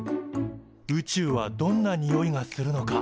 「宇宙はどんなにおいがするのか？」。